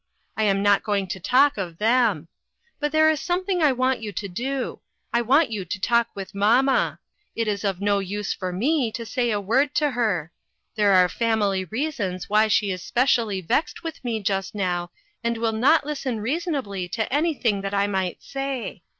I am not going to talk of them. But there is something I want you to do. I want you to talk with mamma. It is of no use for me to say a word to her. There are family reasons why she is specially vexed with me just now, and will not listen reasonabty to anything that I might say.